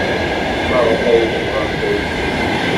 Maɣef ay tebɣamt aydi?